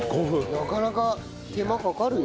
なかなか手間かかるよ。